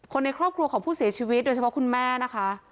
ในครอบครัวของผู้เสียชีวิตโดยเฉพาะคุณแม่นะคะ